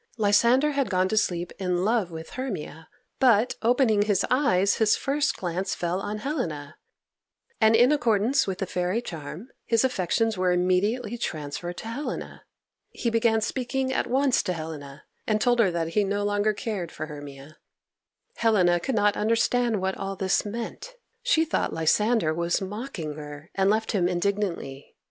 Lysander had gone to sleep in love with Hermia, but, opening his eyes, his first glance fell on Helena, and, in accordance with the fairy charm, his affections were immediately transferred to Helena. He began speaking at once to Helena, and told her that he no longer cared for Hermia. Helena could not understand what all this meant. She thought Lysander was mocking her, and left him indignantly.